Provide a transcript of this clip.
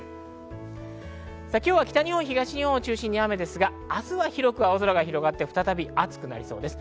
今日は北日本、東日本中心に雨ですが、明日は広く青空が広がって再び暑くなりそうです。